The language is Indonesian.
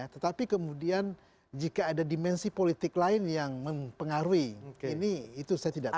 tetapi kemudian jika ada dimensi politik lain yang mempengaruhi ini itu saya tidak tahu